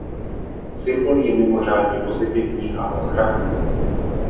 Symbol je mimořádně pozitivní a ochranný.